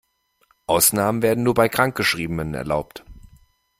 Ausnahmen werden nur bei Krankgeschriebenen erlaubt.